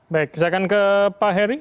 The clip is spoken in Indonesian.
baik saya akan ke pak heri